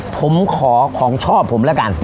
ผมขอของชอบผมแล้วกัน